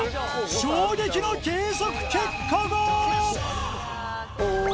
衝撃の計測結果が！